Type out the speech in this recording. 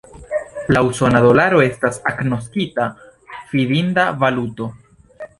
La usona dolaro estas agnoskita fidinda valuto.